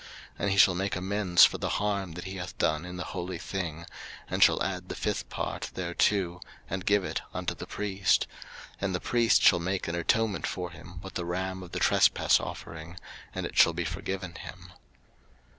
03:005:016 And he shall make amends for the harm that he hath done in the holy thing, and shall add the fifth part thereto, and give it unto the priest: and the priest shall make an atonement for him with the ram of the trespass offering, and it shall be forgiven him.